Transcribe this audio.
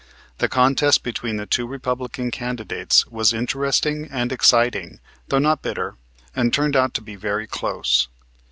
The contest between the two Republican candidates was interesting and exciting, though not bitter, and turned out to be very close.